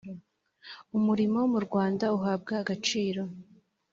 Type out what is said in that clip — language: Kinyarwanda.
umurimo mu rwanda uhabwa agaciro.